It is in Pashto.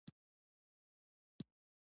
د درد د ارامولو لپاره د بید پوستکی وکاروئ